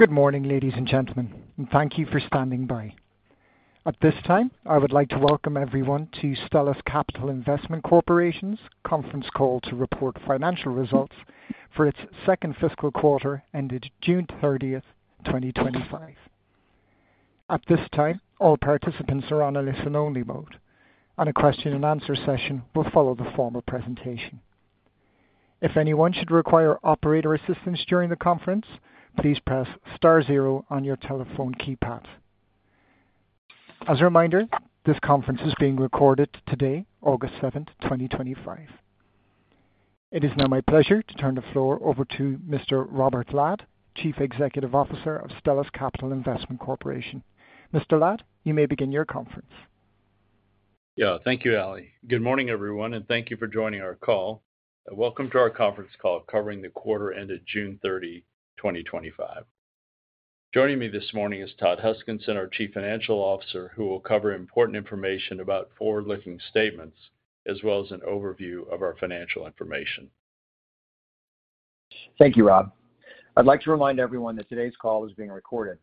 Good morning, ladies and gentlemen, and thank you for standing by. At this time, I would like to welcome everyone to Stellus Capital Investment Corporation's Conference Call to report financial results for its second fiscal quarter ended June 30, 2025. At this time, all participants are on a listen-only mode, and a question-and-answer session will follow the formal presentation. If anyone should require operator assistance during the conference, please press *0 on your telephone keypad. As a reminder, this conference is being recorded today, August 7th, 2025. It is now my pleasure to turn the floor over to Mr. Robert Ladd, Chief Executive Officer of Stellus Capital Investment Corporation. Mr. Ladd, you may begin your conference. Yeah, thank you, Allie. Good morning, everyone, and thank you for joining our call. Welcome to our conference call covering the quarter ended June 30, 2025. Joining me this morning is Todd Huskinson, our Chief Financial Officer, who will cover important information about forward-looking statements, as well as an overview of our financial information. Thank you, Rob. I'd like to remind everyone that today's call is being recorded.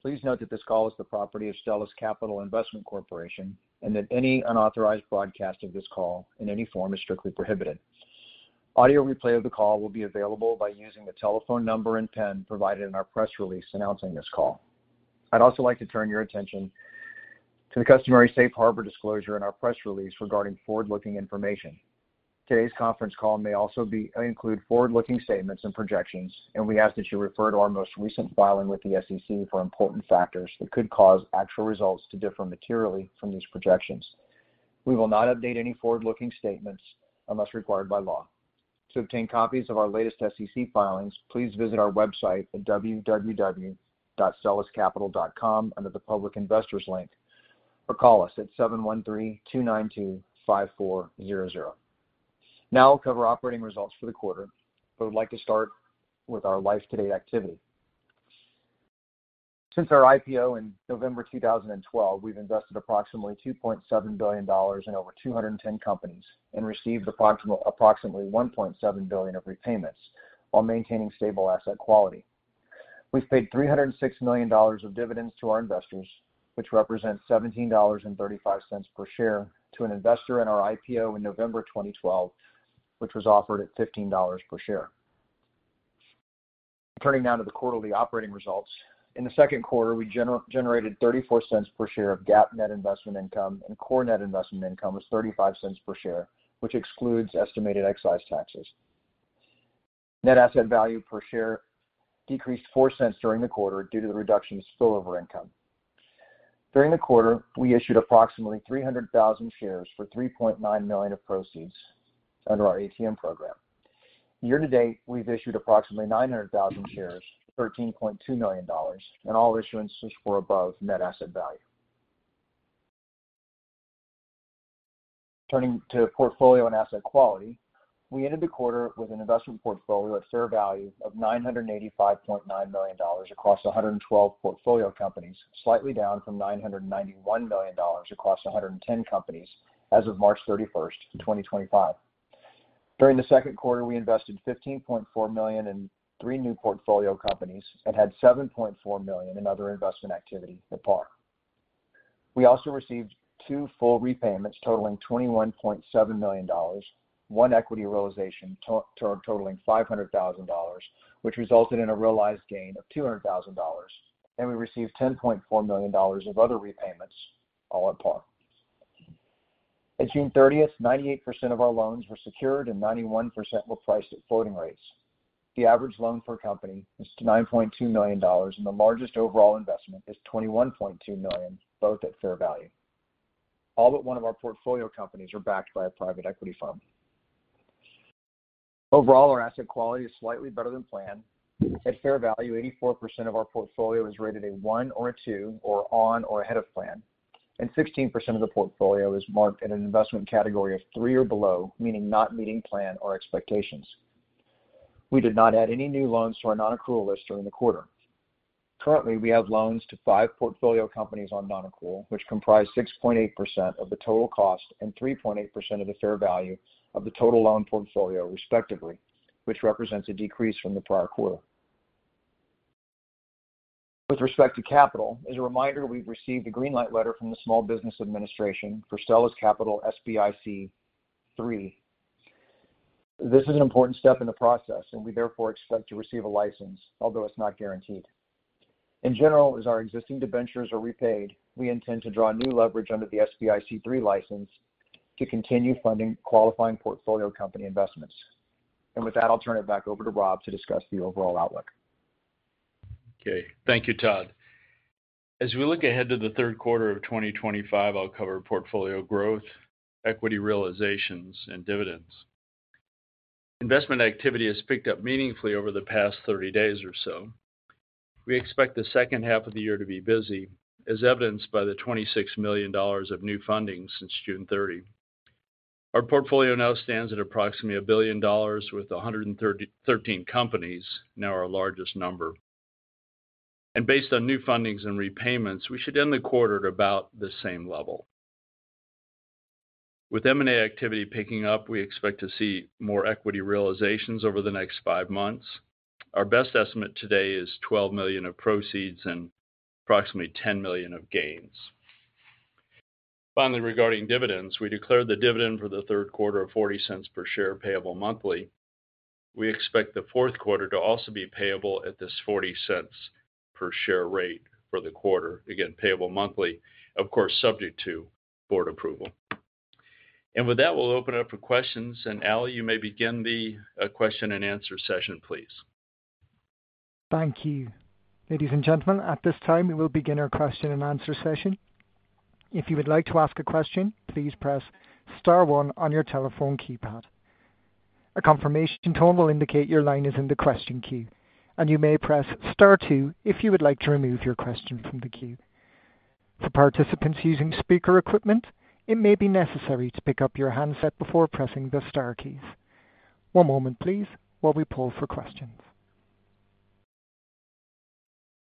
Please note that this call is the property of Stellus Capital Investment Corporation and that any unauthorized broadcast of this call in any form is strictly prohibited. Audio replay of the call will be available by using the telephone number and PIN provided in our press release announcing this call. I'd also like to turn your attention to the customary safe harbor disclosure in our press release regarding forward-looking information. Today's conference call may also include forward-looking statements and projections, and we ask that you refer to our most recent filing with the SEC for important factors that could cause actual results to differ materially from these projections. We will not update any forward-looking statements unless required by law. To obtain copies of our latest SEC filings, please visit our website at www.stelluscapital.com under the Public Investors link or call us at 713-292-5400. Now I'll cover operating results for the quarter, but I'd like to start with our life-to-date activity. Since our IPO in November 2012, we've invested approximately $2.7 billion in over 210 companies and received approximately $1.7 billion of repayments while maintaining stable asset quality. We've paid $306 million of dividends to our investors, which represents $17.35 per share to an investor in our IPO in November 2012, which was offered at $15 per share. Turning now to the quarterly operating results, in the second quarter, we generated $0.34 per share of GAAP net investment income, and core net investment income was $0.35 per share, which excludes estimated excise taxes. Net asset value per share decreased $0.04 during the quarter due to the reduction of spillover income. During the quarter, we issued approximately 300,000 shares for $3.9 million of proceeds under our ATM program. Year to date, we've issued approximately 900,000 shares for $13.2 million in all issuances for above net asset value. Turning to portfolio and asset quality, we ended the quarter with an investment portfolio at fair value of $985.9 million across 112 portfolio companies, slightly down from $991 million across 110 companies as of March 31st, 2025. During the second quarter, we invested $15.4 million in three new portfolio companies and had $7.4 million in other investment activity at par. We also received two full repayments totaling $21.7 million, one equity realization totaling $500,000, which resulted in a realized gain of $200,000, and we received $10.4 million of other repayments all at par. At June 30th, 98% of our loans were secured and 91% were priced at floating rates. The average loan for a company is $9.2 million, and the largest overall investment is $21.2 million, both at fair value. All but one of our portfolio companies are backed by a private equity fund. Overall, our asset quality is slightly better than planned. At fair value, 84% of our portfolio is rated a 1 or a 2 or on or ahead of plan, and 16% of the portfolio is marked in an investment category of 3 or below, meaning not meeting plan or expectations. We did not add any new loans to our non-accrual list during the quarter. Currently, we have loans to five portfolio companies on non-accrual, which comprise 6.8% of the total cost and 3.8% of the fair value of the total loan portfolio, respectively, which represents a decrease from the prior quarter. With respect to capital, as a reminder, we've received a green light letter from the Small Business Administration for Stellus Capital SBIC-3. This is an important step in the process, and we therefore expect to receive a license, although it's not guaranteed. In general, as our existing debentures are repaid, we intend to draw new leverage under the SBIC-3 license to continue funding qualifying portfolio company investments. With that, I'll turn it back over to Rob to discuss the overall outlook. Okay, thank you, Todd. As we look ahead to the third quarter of 2025, I'll cover portfolio growth, equity realizations, and dividends. Investment activity has picked up meaningfully over the past 30 days or so. We expect the second half of the year to be busy, as evidenced by the $26 million of new funding since June 30. Our portfolio now stands at approximately $1 billion with 113 companies, now our largest number. Based on new fundings and repayments, we should end the quarter at about the same level. With M&A activity picking up, we expect to see more equity realizations over the next five months. Our best estimate today is $12 million of proceeds and approximately $10 million of gains. Finally, regarding dividends, we declared the dividend for the third quarter at $0.40 per share payable monthly. We expect the fourth quarter to also be payable at this $0.40 per share rate for the quarter, again payable monthly, of course subject to board approval. With that, we'll open it up for questions, and Allie, you may begin the question and answer session, please. Thank you. Ladies and gentlemen, at this time, we will begin our question and answer session. If you would like to ask a question, please press star one on your telephone keypad. A confirmation tone will indicate your line is in the question queue, and you may press star two if you would like to remove your question from the queue. For participants using speaker equipment, it may be necessary to pick up your handset before pressing the * keys. One moment, please, while we pull for questions.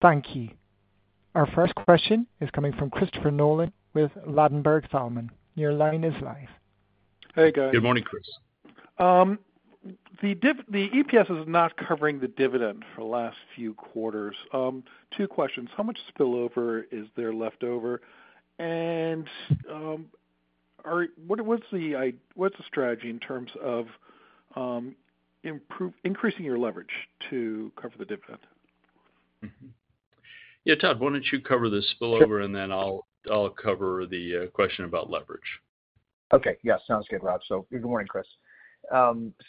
Thank you. Our first question is coming from Christopher Nolan with Ladenburg Thalmann. Your line is live. Hey, guys. Good morning, Christopher. The EPS is not covering the dividend for the last few quarters. Two questions. How much spillover is there left over? What is the strategy in terms of increasing your leverage to cover the dividend? Yeah, Todd, why don't you cover the spillover, and then I'll cover the question about leverage? Okay, yeah, sounds good, Rob. Good morning, Chris.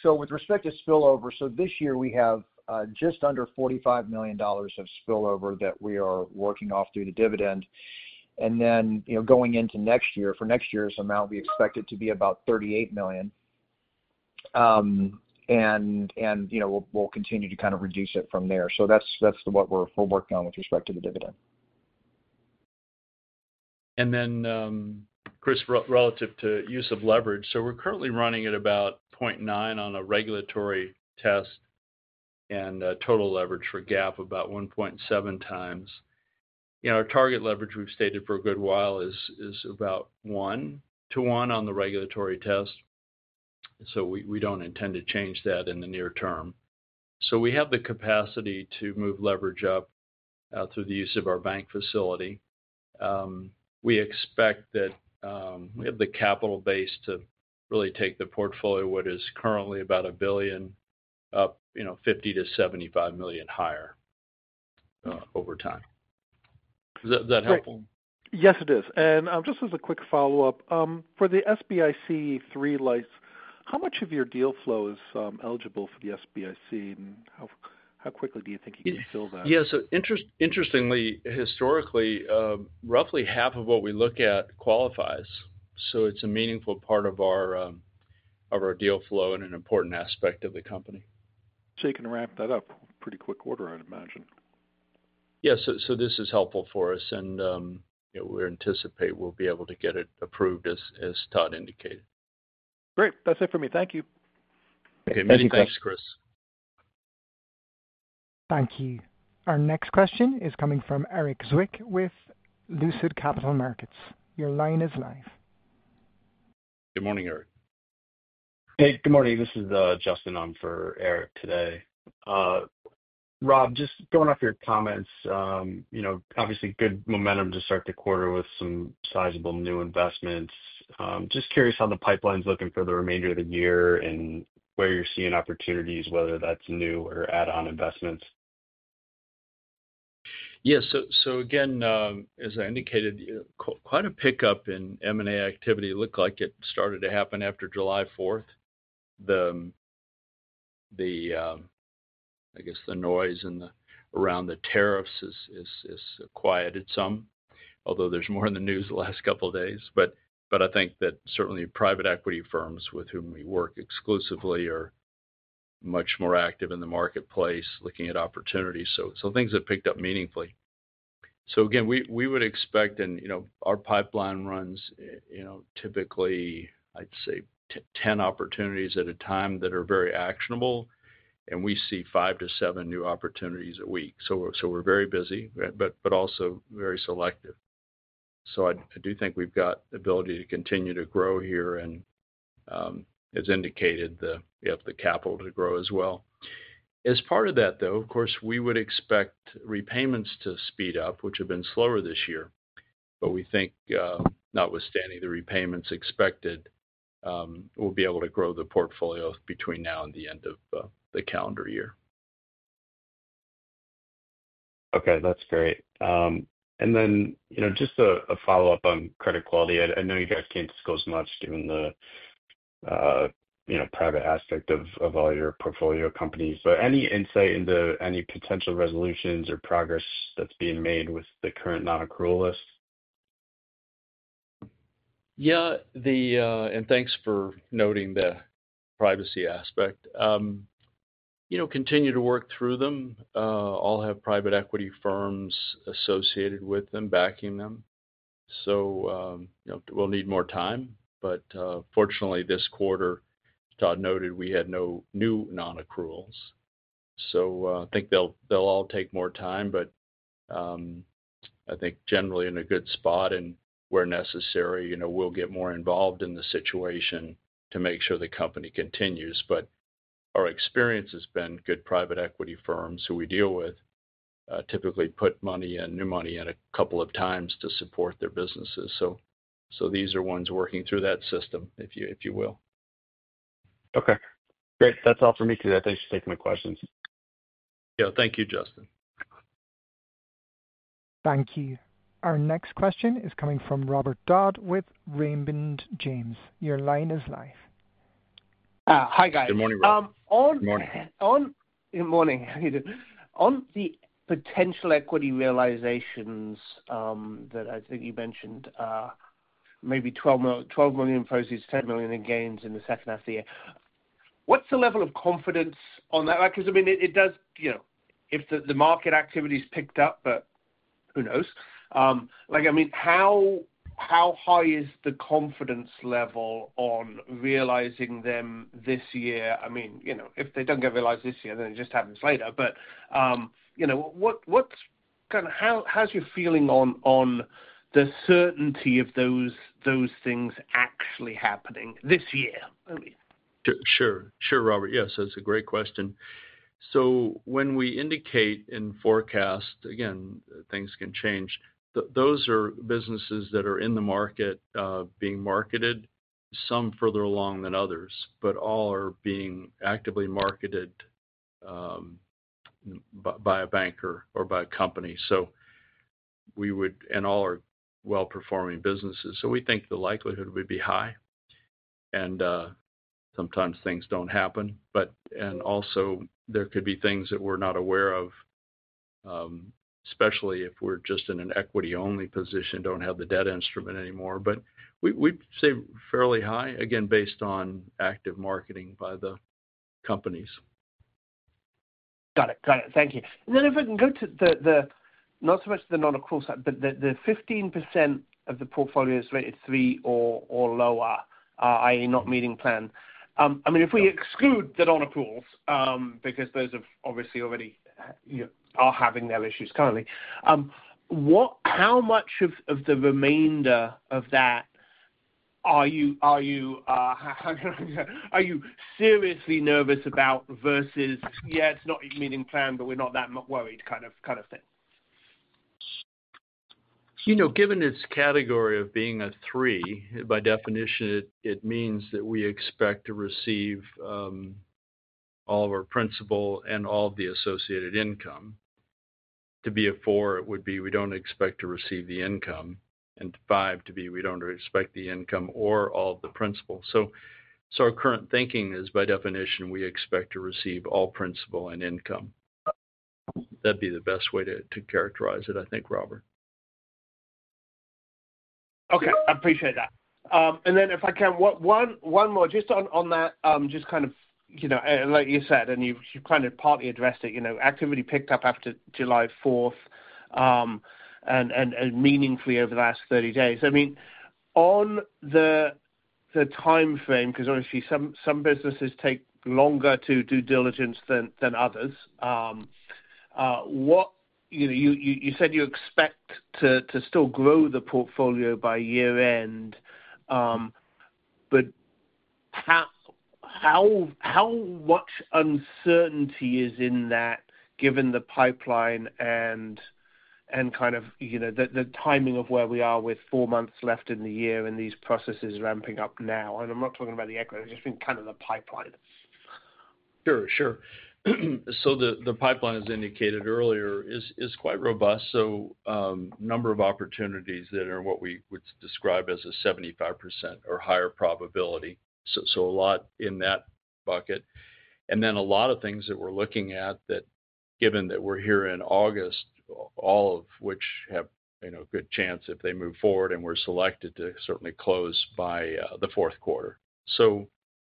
With respect to spillover, this year we have just under $45 million of spillover that we are working off through the dividend. Going into next year, for next year's amount, we expect it to be about $38 million, and we'll continue to kind of reduce it from there. That's what we're working on with respect to the dividend. Chris, relative to use of leverage, we're currently running at about 0.9 on a regulatory test and a total leverage for GAAP of about 1.7x. Our target leverage we've stated for a good while is about 1 to 1 on the regulatory test. We don't intend to change that in the near term. We have the capacity to move leverage up through the use of our bank facility. We expect that we have the capital base to really take the portfolio of what is currently about $1 billion up $50 million-$75 million higher over time. Is that helpful? Yes, it is. Just as a quick follow-up, for the Stellus Capital SBIC-3 license, how much of your deal flow is eligible for the SBIC, and how quickly do you think you can fill that? Interestingly, historically, roughly half of what we look at qualifies. It is a meaningful part of our deal flow and an important aspect of the company. You can wrap that up in a pretty quick order, I'd imagine. Yeah, this is helpful for us, and we anticipate we'll be able to get it approved as Todd indicated. Great. That's it for me. Thank you. Okay, many thanks, Christopher. Thank you. Our next question is coming from Erik Zwick with Lucid Capital Markets. Your line is live. Good morning, Eric. Hey, good morning. This is Justin on for Eric today. Rob, just going off your comments, obviously good momentum to start the quarter with some sizable new investments. Just curious how the pipeline's looking for the remainder of the year and where you're seeing opportunities, whether that's new or add-on investments. Yeah, as I indicated, quite a pickup in M&A activity looked like it started to happen after July 4th. The noise around the tariffs has quieted some, although there's more in the news the last couple of days. I think that certainly private equity firms with whom we work exclusively are much more active in the marketplace looking at opportunities. Things have picked up meaningfully. We would expect, and you know, our pipeline runs, typically I'd say 10 opportunities at a time that are very actionable, and we see 5-7 new opportunities a week. We're very busy, but also very selective. I do think we've got the ability to continue to grow here and, as indicated, we have the capital to grow as well. As part of that, of course, we would expect repayments to speed up, which have been slower this year, but we think, notwithstanding the repayments expected, we'll be able to grow the portfolio between now and the end of the calendar year. Okay, that's great. Just a follow-up on credit quality. I know you guys can't disclose much given the private aspect of all your portfolio companies, but any insight into any potential resolutions or progress that's being made with the current non-accrual list? Yeah, and thanks for noting the privacy aspect. You know, continue to work through them. All have private equity firms associated with them, backing them. You know, we'll need more time, but fortunately this quarter, Todd noted, we had no new non-accruals. I think they'll all take more time, but I think generally in a good spot and where necessary, you know, we'll get more involved in the situation to make sure the company continues. Our experience has been good private equity firms who we deal with typically put money in, new money in a couple of times to support their businesses. These are ones working through that system, if you will. Okay, great. That's all for me today. Thanks for taking my questions. Yeah, thank you, Justin. Thank you. Our next question is coming from Robert Dodd with Raymond James. Your line is live. Hi guys. Good morning, Robert. Good morning. How are you doing? On the potential equity realizations that I think you mentioned, maybe $12 million, $12 million proceeds, $10 million in gains in the second half of the year. What's the level of confidence on that? Because, I mean, it does, you know, if the market activity's picked up, but who knows? I mean, how high is the confidence level on realizing them this year? If they don't get realized this year, then it just happens later. What, what's kind of, how's your feeling on the certainty of those things actually happening this year? Sure, Robert. Yes, that's a great question. When we indicate in forecast, again, things can change. Those are businesses that are in the market, being marketed, some further along than others, but all are being actively marketed by a banker or by a company. All are well-performing businesses. We think the likelihood would be high. Sometimes things don't happen, and also there could be things that we're not aware of, especially if we're just in an equity-only position and don't have the debt instrument anymore. We'd say fairly high, again, based on active marketing by the companies. Got it, got it. Thank you. If I can go to the, not so much the non-accrual side, but the 15% of the portfolio is rated 3 or lower, i.e., not meeting plan. If we exclude the non-accruals, because those have obviously already, you know, are having their issues currently, how much of the remainder of that are you, how are you seriously nervous about versus, yeah, it's not meeting plan, but we're not that worried kind of thing? Given its category of being a 3, by definition, it means that we expect to receive all of our principal and all of the associated income. To be a 4, it would be we don't expect to receive the income, and 5 would be we don't expect the income or all of the principal. Our current thinking is by definition we expect to receive all principal and income. That'd be the best way to characterize it, I think, Robert. Okay, I appreciate that. If I can, just one more on that, just kind of, you know, like you said, and you've kind of partly addressed it, activity picked up after July 4th and meaningfully over the last 30 days. I mean, on the timeframe, because obviously some businesses take longer to do diligence than others. You said you expect to still grow the portfolio by year-end. How much uncertainty is in that given the pipeline and the timing of where we are with four months left in the year and these processes ramping up now? I'm not talking about the equity, I'm just thinking kind of the pipeline. Sure. The pipeline as indicated earlier is quite robust. A number of opportunities are what we would describe as a 75% or higher probability, so a lot in that bucket. There are also a lot of things that we're looking at that, given that we're here in August, all of which have a good chance if they move forward and we're selected to certainly close by the fourth quarter.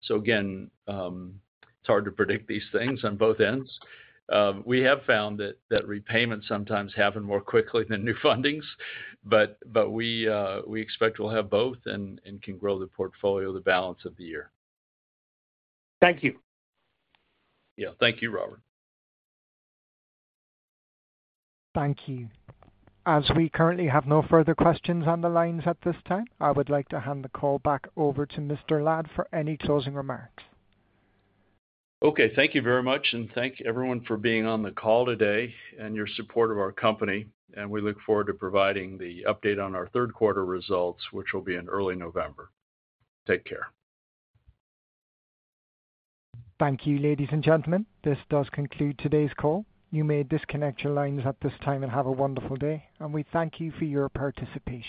Again, it's hard to predict these things on both ends. We have found that repayments sometimes happen more quickly than new fundings, but we expect we'll have both and can grow the portfolio the balance of the year. Thank you. Yeah, thank you, Robert. Thank you. As we currently have no further questions on the lines at this time, I would like to hand the call back over to Mr. Ladd for any closing remarks. Okay, thank you very much, and thank everyone for being on the call today and your support of our company. We look forward to providing the update on our third quarter results, which will be in early November. Take care. Thank you, ladies and gentlemen. This does conclude today's call. You may disconnect your lines at this time and have a wonderful day, and we thank you for your participation.